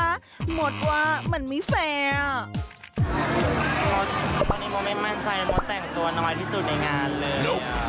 หมดว่ามันไม่แฟร์ตอนนี้มันไม่มั่นใสหมดแต่งตัวน้อยที่สุดในงานเลย